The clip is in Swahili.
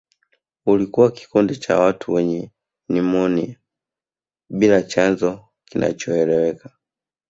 Ulikuwa kikundi cha watu wenye nimonia bila chanzo kinachoeleweka